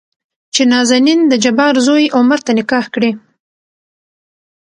چې نازنين دجبار زوى عمر ته نکاح کړي.